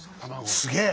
すげえ。